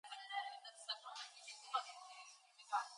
He worked as a machinist before entering politics.